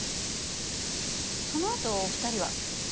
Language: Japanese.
そのあとお二人は？